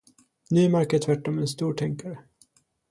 Nymark är tvärtom en stor tänkare.